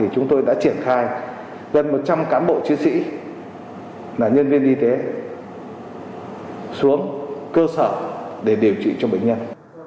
chúng tôi đã triển khai gần một trăm linh cán bộ chiến sĩ là nhân viên y tế xuống cơ sở để điều trị cho bệnh nhân